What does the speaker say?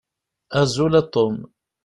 Azul a Tom.